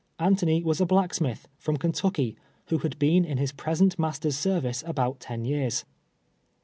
Antony was a blacksmith, from Kentucky, who had been in his present master's service about ten years.